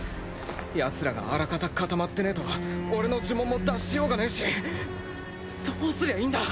ヤツらがあらかた固まってねえと俺の呪文も出しようがねえしどうすりゃいいんだ！